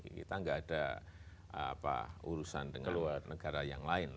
kita nggak ada urusan dengan luar negara yang lain